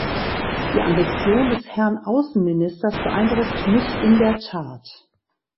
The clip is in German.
Die Ambition des Herrn Außenministers beeindruckt mich in der Tat.